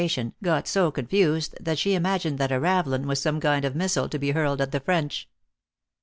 tion, got so confused that she imagined that a ravelin was some kind of missile to be hurled at the French.